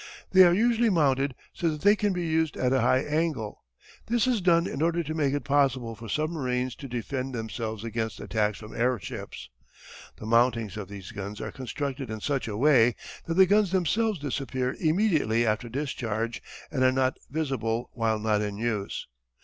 They are usually mounted so that they can be used at a high angle. This is done in order to make it possible for submarines to defend themselves against attacks from airships. The mountings of these guns are constructed in such a way that the guns themselves disappear immediately after discharge and are not visible while not in use.